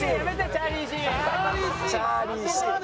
チャーリー・シーン。